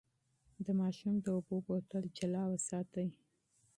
د ماشوم د اوبو بوتل جلا وساتئ.